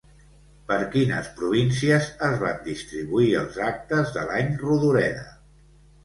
Per quines províncies es van distribuir els actes de l'any Rodoreda?